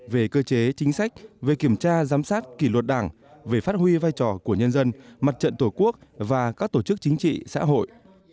về cơ chế chính sách về kiểm tra giám sát kỷ luật đảng về phát huy vai trò của nhân dân mặt trận tổ quốc và các tổ chức chính trị xã hội